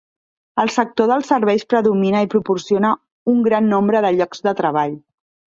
El sector dels serveis predomina i proporciona un gran nombre de llocs de treball.